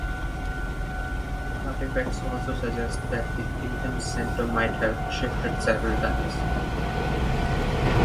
Artifacts also suggest that the kingdom's centre might have shifted several times.